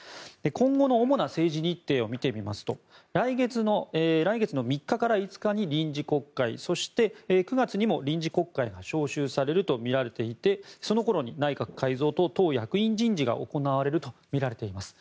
今後の主な政治日程を見てみますと来月の３日から５日に臨時国会そして、９月にも臨時国会が召集されるとみられていてその頃に内閣改造と党役員人事が行われるとみられています。